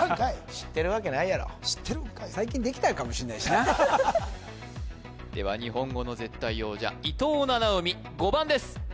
知ってるわけないやろ知ってるんかい最近できたのかもしれないしなでは日本語の絶対王者伊藤七海５番です